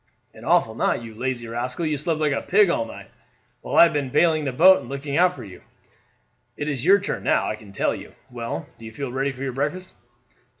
"An awful night! You lazy rascal, you slept like a pig all night, while I have been bailing the boat and looking out for you. It is your turn now, I can tell you. Well, do you feel ready for your breakfast?"